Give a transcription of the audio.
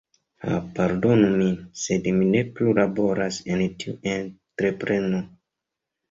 Ha pardonu min, sed mi ne plu laboras en tiu entrepreno.